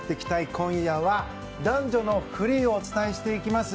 今夜は男女のフリーをお伝えしていきます。